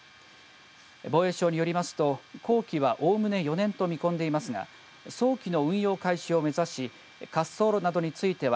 防衛省によりますと工期は、おおむね４年と見込んでいますが早期の運用開始を目指し滑走路などについては